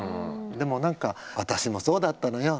でも何か「私もそうだったのよ。